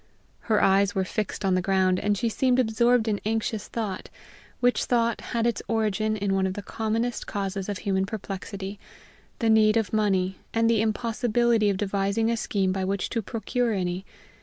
Her eyes were fixed on the ground, and she seemed absorbed in anxious thought, which thought had its origin in one of the commonest causes of human perplexity the need of money, and the impossibility of devising a scheme by which to procure any.